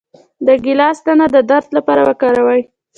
د ګیلاس دانه د درد لپاره وکاروئ